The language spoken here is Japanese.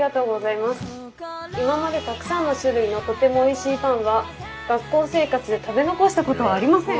いままでたくさんの種類のとてもおいしいパンは学校生活で食べ残したことはありません」。